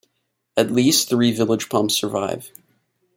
At least three village pumps survive.